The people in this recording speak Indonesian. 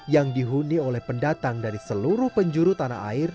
yang dihuni oleh pendatang dari seluruh penjuru tanah air